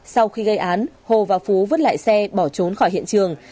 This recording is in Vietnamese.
sau khi gây án hồ và phú vứt lại xe bỏ trốn khỏi hiện trường